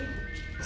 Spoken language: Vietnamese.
giúp tao đi